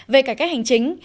về cải cách hành chính